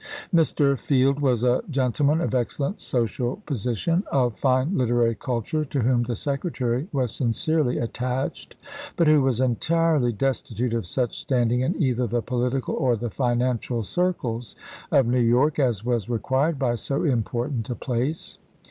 Mr. Field was a gentleman of excellent social position, of fine literary culture, to whom the Secretary was sincerely attached, but who was entirely destitute of such standing in either the political or the finan cial circles of New York as was required by so important a place.